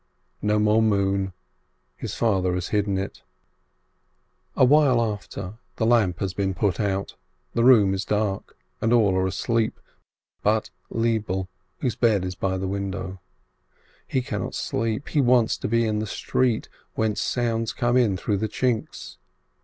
No more moon !— his father has hidden it ! A while after, the lamp has been put out, the room is dark, and all are asleep but Lebele, whose bed is by the window. He cannot sleep, he wants to be in the street, whence sounds come in through the chinks.